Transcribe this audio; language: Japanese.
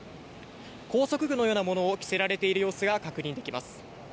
拘束具のようなものを着せられている様子が確認できます。